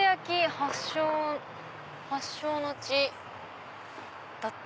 発祥の地だって。